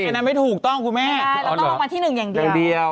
แม่นั้นไม่ถูกต้องครับคุณแม่ใช่ต้องรองวัลที่๑อย่างเดียวแสดงเดียว